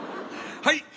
はい！